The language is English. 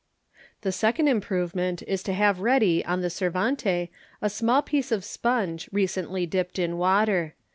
The second improvement is to have ready on the servante a small piece of sponge, recently dipped in water.